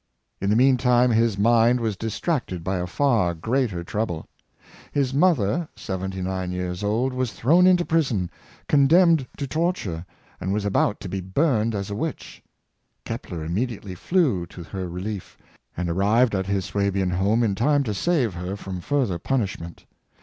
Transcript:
In the meantime, his mind was distracted by a far greater trouble. His mother, seventy nine years old, was thrown into prison, condemned to torture, and was about to be burned as a witch. Kepler immediately flew to her relief, and arrived at his Swabian home in time to save her from further punishment.